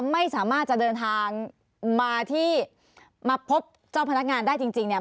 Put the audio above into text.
ไม่สามารถจะเดินทางมาที่มาพบเจ้าพนักงานได้จริงเนี่ย